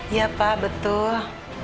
iya pak betul